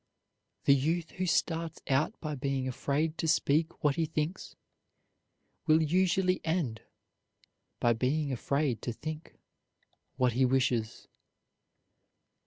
The youth who starts out by being afraid to speak what he thinks will usually end by being afraid to think what he wishes.